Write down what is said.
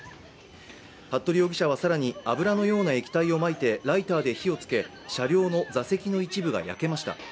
服部容疑者は更に油のような液体をまいてライターで火をつけ、車両の座席の一部が焼けました。